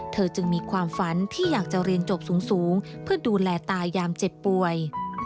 จึงมีความฝันที่อยากจะเรียนจบสูงเพื่อดูแลตายามเจ็บป่วย